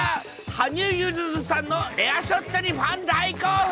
羽生結弦さんのレアショットにファン大興奮。